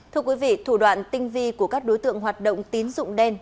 thưa quý vị thủ đoạn tinh vi của các đối tượng hoạt động tín dụng đen